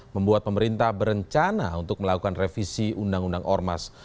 membuat pemerintah berencana untuk melakukan revisi undang undang ormas